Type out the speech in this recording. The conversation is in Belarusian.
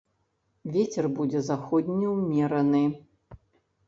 Вецер будзе заходні ўмераны.